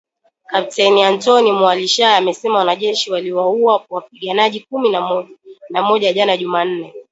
Kepteni Antony Mualushayi amesema wanajeshi waliwaua wapiganaji kumi na moja jana Jumanne